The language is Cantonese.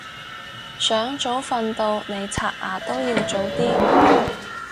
想早瞓到你刷牙都要早啲